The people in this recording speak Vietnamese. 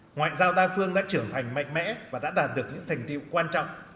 ngoại giao đa phương đã trưởng thành mạnh mẽ và đã đạt được những thành tiệu quan trọng